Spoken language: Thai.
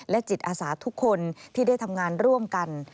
จิตอาสาทุกคนที่ได้ทำงานร่วมกัน